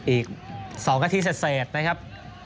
อีกสองกะทิเสร็จนะครับ